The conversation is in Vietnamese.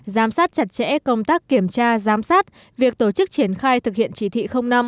giám sát chặt chẽ công tác kiểm tra giám sát việc tổ chức triển khai thực hiện chỉ thị năm